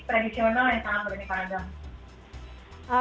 tradisional yang sangat berbeza